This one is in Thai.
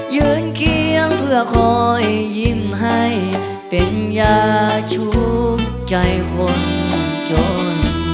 ยืนเคียงเพื่อคอยยิ้มให้เป็นยาชูใจคนจน